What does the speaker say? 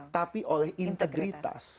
tapi oleh integritas